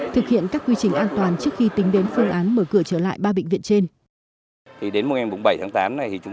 thực hiện các quy trình an toàn trước khi tính đến phương án mở cửa trở lại ba bệnh viện trên